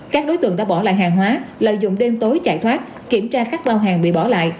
các đối tượng đã bỏ lại hàng hóa lợi dụng đêm tối chạy thoát kiểm tra các bao hàng bị bỏ lại